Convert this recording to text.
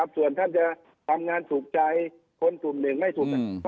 ส่วนท่านจะทำงานถูกใจคนกลุ่มหนึ่งไม่ถูก